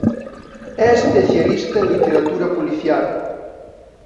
É especialista en literatura policial.